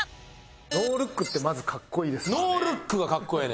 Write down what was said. ノールックってまずかっこいいですからね。